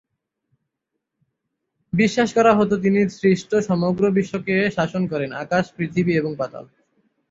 বিশ্বাস করা হত তিনি সৃষ্ট সমগ্র বিশ্বকে শাসন করেন: আকাশ, পৃথিবী এবং পাতাল।